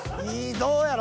どうやろ。